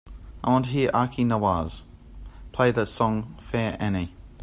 I want to hear Aki Nawaz, play the song fair annie.